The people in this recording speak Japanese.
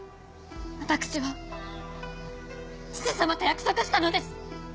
私は父様と約束したのです！